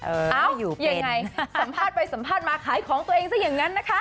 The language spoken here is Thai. เอ้ายังไงสัมภาษณ์ไปสัมภาษณ์มาขายของตัวเองซะอย่างนั้นนะคะ